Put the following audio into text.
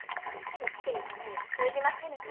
光圀様には通じませぬか。